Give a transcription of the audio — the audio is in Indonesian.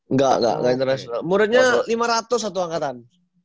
enggak enggak internasional muridnya lima ratus satu angkatan